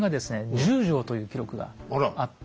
１０丈という記録があって。